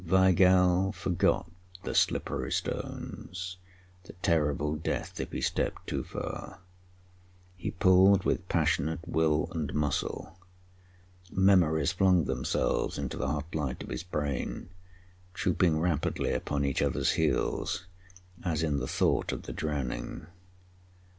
Weigall forgot the slippery stones, the terrible death if he stepped too far. He pulled with passionate will and muscle. Memories flung themselves into the hot light of his brain, trooping rapidly upon each other's heels, as in the thought of the drowning.